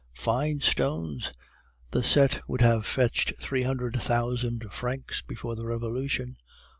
"'Fine stones! The set would have fetched three hundred thousand francs before the Revolution.